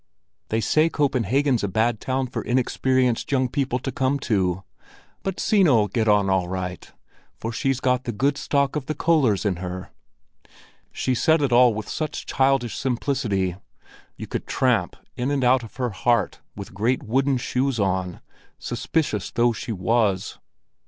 "They say Copenhagen's a bad town for inexperienced young people to come to. But Sina'll get on all right, for she's got the good stock of the Köllers in her." She said it all with such childish simplicity; you could tramp in and out of her heart with great wooden shoes on, suspicious though she was.